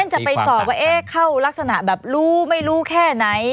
จะไปสอบว่าเข้ารักษณะแบบรู้ไม่รู้แค่ไหน